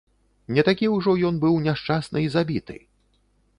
Не такі ўжо ён быў няшчасны і забіты!